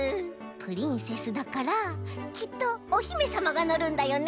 プリンセスだからきっとおひめさまがのるんだよね？